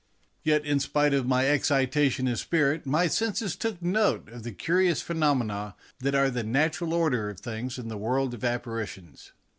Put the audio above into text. Yet, in spite of my excitation of spirit, my senses took note of the curious phenomena that are the natural order of things in the world of apparitions.